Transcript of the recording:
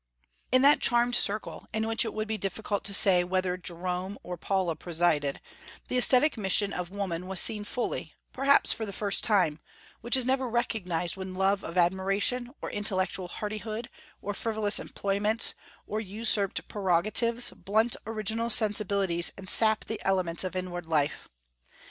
In that charmed circle, in which it would be difficult to say whether Jerome or Paula presided, the aesthetic mission of woman was seen fully, perhaps for the first time, which is never recognized when love of admiration, or intellectual hardihood, or frivolous employments, or usurped prerogatives blunt original sensibilities and sap the elements of inward life.